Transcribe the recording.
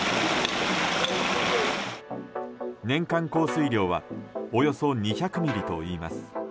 年間降水量はおよそ２００ミリといいます。